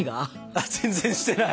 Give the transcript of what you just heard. あっ全然してない！